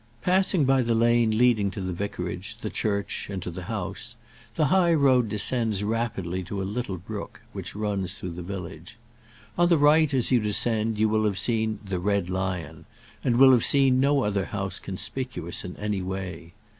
Passing by the lane leading to the vicarage, the church and to the house, the high road descends rapidly to a little brook which runs through the village. On the right as you descend you will have seen the "Red Lion," and will have seen no other house conspicuous in any way.